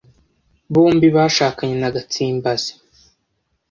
Bombi bashakanye na Gatsimbazi